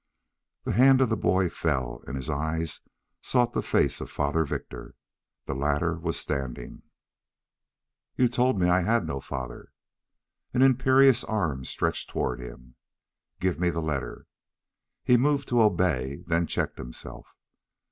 The hand of the boy fell, and his eyes sought the face of Father Victor. The latter was standing. "You told me I had no father " An imperious arm stretched toward him. "Give me the letter." He moved to obey, and then checked himself.